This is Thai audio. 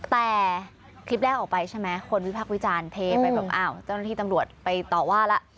แต่คลิปแรกออกไปใช่ไหมคนวิพักษ์วิจารณ์เทไปแบบอ้าวเจ้าหน้าที่ตำรวจไปต่อว่าแล้ว